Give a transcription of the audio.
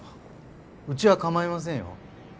うちは構いませんよ。